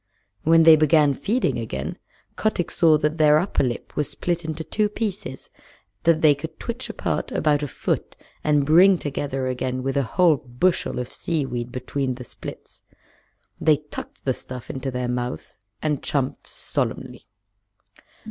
When they began feeding again Kotick saw that their upper lip was split into two pieces that they could twitch apart about a foot and bring together again with a whole bushel of seaweed between the splits. They tucked the stuff into their mouths and chumped solemnly.